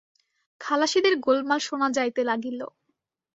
খালাসিদের গোলমাল শোনা যাইতে লাগিল।